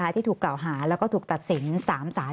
ที่ถูกเก่าหาและถูกตัดสิน๓สาร